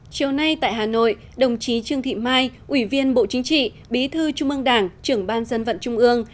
chiều nay tại hà nội đồng chí trương thị mai ủy viên bộ chính trị bí thư trung ương đảng trưởng ban dân vận trung ương